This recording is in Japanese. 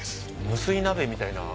無水鍋みたいな。